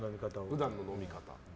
普段の飲み方。